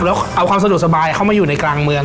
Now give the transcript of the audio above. แล้วเอาความสะดวกสบายเข้ามาอยู่ในกลางเมือง